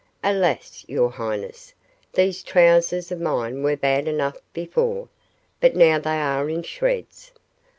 Alas, your highness, these trousers of mine were bad enough before, but now they are in shreds.